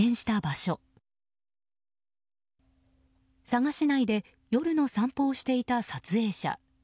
佐賀市内で夜の散歩をしていた撮影者。